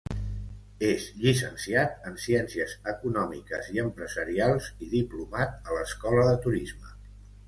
És llicenciat en ciències econòmiques i Empresarials i diplomat a l'Escola de Turisme.